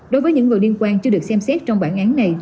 đối với những người liên quan chưa được xem xét trong bản án này